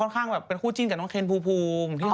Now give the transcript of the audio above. ข้างแบบเป็นคู่จิ้นกับน้องเคนภูมิ